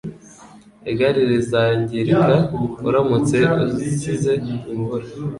Igare rizangirika uramutse usize imvura.